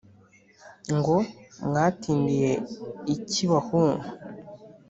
Ngo: "Mwatindiye iki bahungu?"